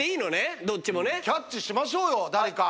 キャッチしましょうよ誰か。